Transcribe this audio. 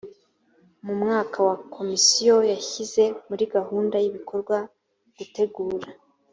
mu mwaka wa komisiyo yashyize muri gahunda y ibikorwa gutegura